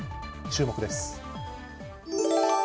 注目です。